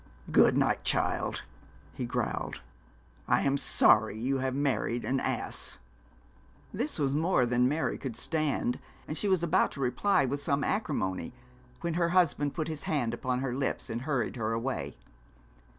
'Good night, child,' he growled. 'I am sorry you have married an ass.' This was more than Mary could stand, and she was about to reply with some acrimony, when her husband put his hand upon her lips and hurried her away.